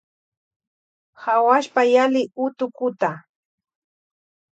Hawuashpa yali utukuta.